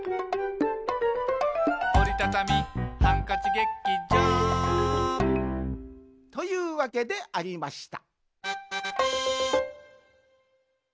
「おりたたみハンカチ劇場」というわけでありました